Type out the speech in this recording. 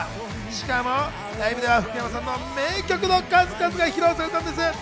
しかも、ライブでは福山さんの名曲の数々が披露されたんです。